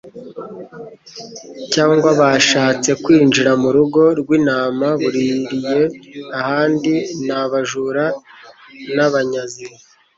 cyangwa bashatse kwinjira mu rugo rw'intama buririye ahandi ni abajura n'abanyazi.